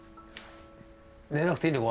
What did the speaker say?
寝なくていいのか？